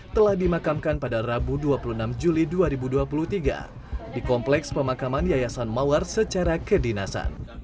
telah dimakamkan pada rabu dua puluh enam juli dua ribu dua puluh tiga di kompleks pemakaman yayasan mawar secara kedinasan